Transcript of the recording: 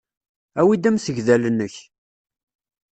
Awi-d amsegdal-nnek.